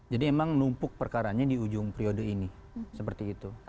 jadi emang numpuk perkaranya di ujung periode ini seperti itu